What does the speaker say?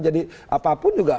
jadi apapun juga